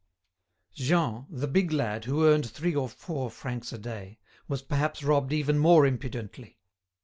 Jean, the big lad who earned three or four francs a day, was perhaps robbed even more impudently.